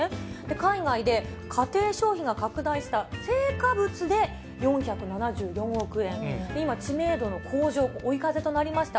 海外で家庭消費が拡大した青果物で４７４億円、今、知名度の向上も追い風となりました